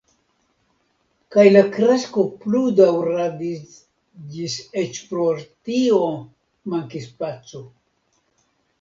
Kaj la kresko plu daŭradis ĝis eĉ por tio mankis spaco.